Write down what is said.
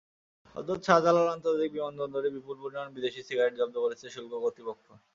হজরত শাহজালাল আন্তর্জাতিক বিমানবন্দরে বিপুল পরিমাণ বিদেশি সিগারেট জব্দ করেছে শুল্ক কর্তৃপক্ষ।